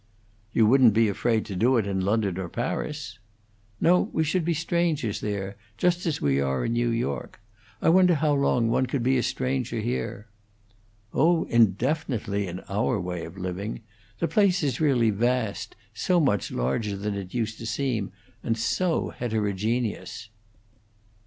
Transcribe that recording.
"You wouldn't be afraid to do it in London or Paris?" "No; we should be strangers there just as we are in New York. I wonder how long one could be a stranger here." "Oh, indefinitely, in our way of living. The place is really vast, so much larger than it used to seem, and so heterogeneous."